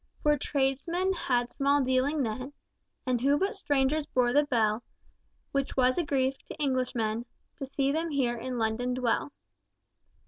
Poor tradesmen had small dealing then And who but strangers bore the bell, Which was a grief to Englishmen To see them here in London dwell."